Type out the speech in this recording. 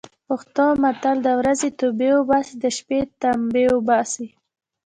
پښتو متل: د ورځې توبې اوباسي، د شپې تمبې اوباسي.